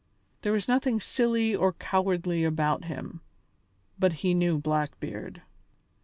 There was nothing silly or cowardly about him, but he knew Blackbeard.